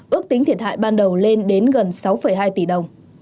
ước tính thiệt hại ban đầu lên đến gần sáu hai tỷ đồng